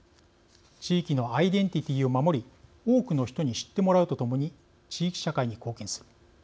地域のアイデンティティーを守り多くの人に知ってもらうと共に地域社会に貢献する。